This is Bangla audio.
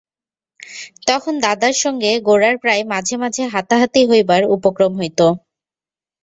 তখন দাদার সঙ্গে গোরার প্রায় মাঝে মাঝে হাতাহাতি হইবার উপক্রম হইত।